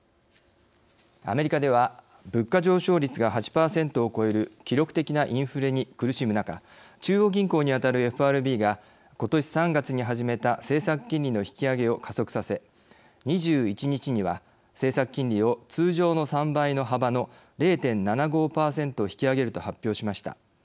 アメリカでは物価上昇率が８％を超える記録的なインフレに苦しむ中中央銀行に当たるＦＲＢが今年３月に始めた政策金利の引き上げを加速させ２１日には、政策金利を通常の３倍の幅の０．７５％引き上げると発表しました。